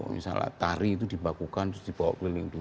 misalnya tari itu dibakukan dibawa keliling dunia